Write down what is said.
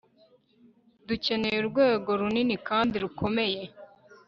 dukeneye urwego runini kandi rukomeye